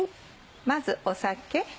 まず酒。